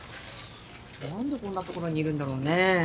何でこんな所にいるんだろうね。